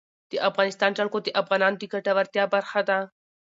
د افغانستان جلکو د افغانانو د ګټورتیا برخه ده.